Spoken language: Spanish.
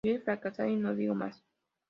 Yo he fracasado..." Y no dijo más.